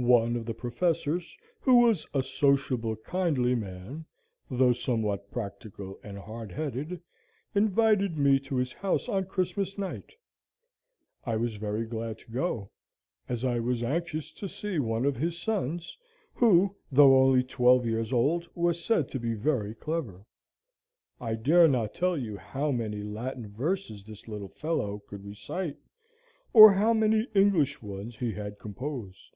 One of the professors, who was a sociable, kindly man, though somewhat practical and hard headed, invited me to his house on Christmas night. I was very glad to go, as I was anxious to see one of his sons, who, though only twelve years old, was said to be very clever. I dare not tell you how many Latin verses this little fellow could recite, or how many English ones he had composed.